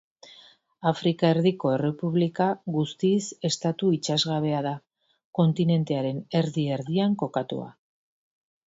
Afrika Erdiko Errepublika guztiz estatu itsasgabea da, kontinentearen erdi-erdian kokatua.